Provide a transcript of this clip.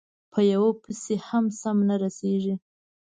په یوه پسې هم سم نه رسېږي،